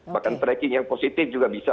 bahkan tracking yang positif juga bisa